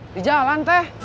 di jalan teh